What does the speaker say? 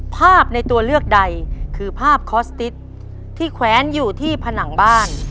ภาพในตัวเลือกใดคือภาพคอสติ๊กที่แขวนอยู่ที่ผนังบ้าน